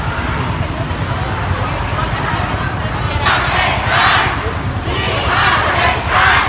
อัศวินธรรมชาติอัศวินธรรมชาติ